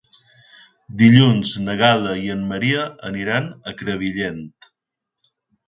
Dilluns na Gal·la i en Maria aniran a Crevillent.